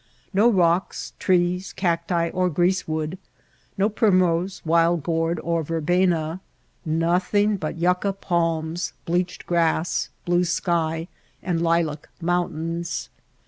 No rocks, trees, cacti, or grease wood ; no primrose, wild gourd, or ver bena. Nothing but yucca palms, bleached grass, blue sky, and lilac mountains.